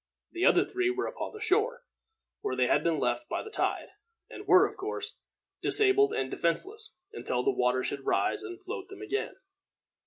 The other three were upon the shore, where they had been left by the tide, and were, of course, disabled and defenseless until the water should rise and float them again.